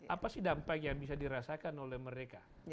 apa sih dampak yang bisa dirasakan oleh mereka